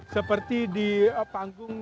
seperti di panggung